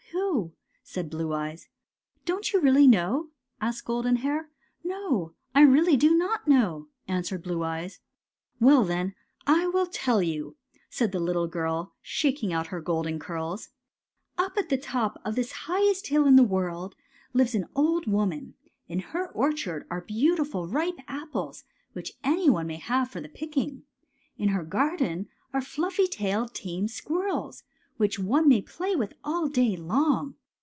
Who? " said Blue Eyes. '' Don't you really know? " asked Golden Hair. " No, I really do not know! '' answered Blue Eyes. '' Well, then, I will tell you," said the little girl, shaking out her golden curls. " Up at 216 GOLDENROD AND ASTER 217 the top of this highest hill in the world lives an old woman. In her orchard are beautiful ripe apples, which any one may have for the picking. In her garden are fluffy tailed, tame squirrels, which one may play with all day long.